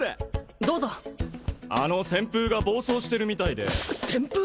どうぞあの旋風が暴走してるみたいで旋風！？